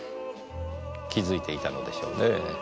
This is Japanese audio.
気づいていたのでしょうねぇ。